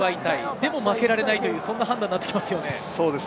でも負けられないという判断になりますね。